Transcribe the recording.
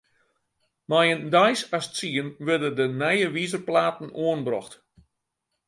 Mei in deis as tsien wurde de nije wizerplaten oanbrocht.